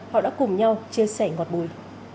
họ đã cùng nhau chia sẻ ngọt bùi